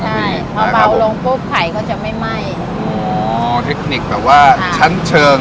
ใช่พอเบาลงปุ๊บไข่ก็จะไม่ไหม้อ๋อเทคนิคแบบว่าชั้นเชิง